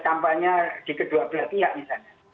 kampanye di kedua belah pihak misalnya